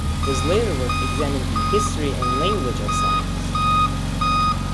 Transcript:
His later work examined the history and language of science.